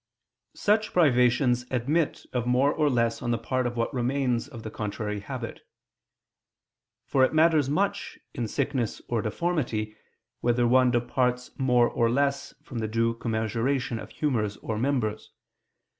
Such privations admit of more or less on the part of what remains or the contrary habit. For it matters much in sickness or deformity, whether one departs more or less from the due commensuration of humors or members.